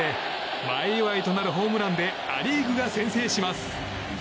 前祝いとなるホームランでア・リーグが先制します。